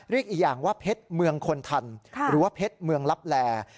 อีกอย่างว่าเพชรเมืองคนทันหรือว่าเพชรเมืองลับแล